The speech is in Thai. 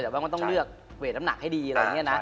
แต่ว่ามันต้องเลือกเวทน้ำหนักให้ดีอะไรอย่างนี้นะ